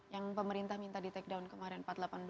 yang pemerintah minta di take down kemarin empat ratus delapan belas